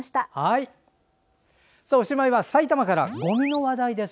おしまいは埼玉からごみの話題です。